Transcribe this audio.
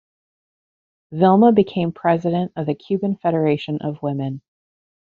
Vilma became president of the Cuban Federation of Women.